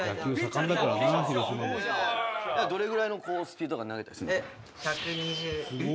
「どれぐらいのスピードとかで投げたりするの？」